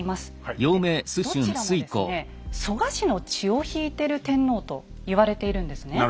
でどちらもですね蘇我氏の血を引いている天皇と言われているんですね。